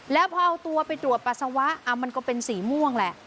แล้วพอเอาตัวไปตรวจปัสสาวะมันก็เป็นสีม่วงแหละ